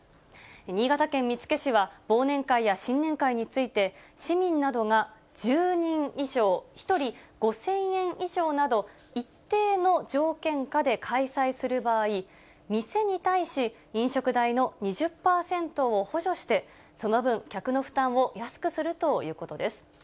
新潟県見附市は、忘年会や新年会について、市民などが１０人以上、１人５０００円以上など、一定の条件下で開催する場合、店に対し、飲食代の２０％を補助して、その分、客の負担を安くするということです。